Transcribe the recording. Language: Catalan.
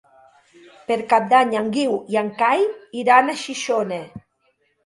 Per Cap d'Any en Guiu i en Cai iran a Xixona.